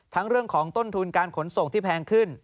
เรื่องของต้นทุนการขนส่งที่แพงขึ้น